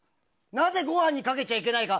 なぜご飯にかけちゃいけないか。